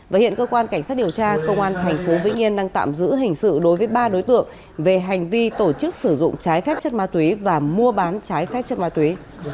và hiện cơ quan cảnh sát điều tra công an tp vĩnh yên đang tạm giữ hình sự đối với ba đối tượng về hành vi tổ chức sử dụng trái phép chất ma túy và mua bán trái phép chất ma túy